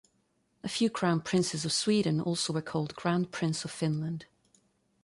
A few crown princes of Sweden also were called "Grand Prince of Finland".